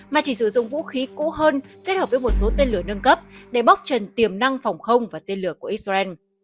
mà chỉ sử dụng vũ khí cũ hơn kết hợp với một số tên lửa nâng cấp để bóc trần tiềm năng phòng không và tên lửa của israel